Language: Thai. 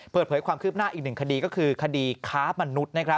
เปิดเผยความคืบหน้าอีกหนึ่งคดีก็คือคดีค้ามนุษย์